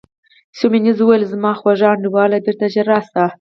سیمونز وویل: زما خوږ انډیواله، بیرته ژر راشه.